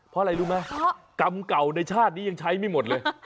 เพราะอะไรรู้ไหมกรรมเก่าในชาตินี้ยังใช้ไม่หมดเลย